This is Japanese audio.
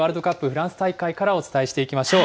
フランス大会からお伝えしていきましょう。